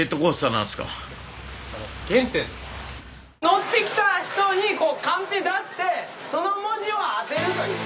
乗ってきた人にこうカンペ出してその文字を当てるという。